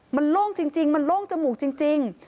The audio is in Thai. มันโล่งจริงมันโล่งจมูกจริง